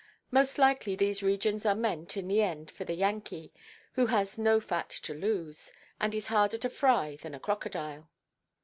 Most likely these regions are meant, in the end, for the Yankee, who has no fat to lose, and is harder to fry than a crocodile.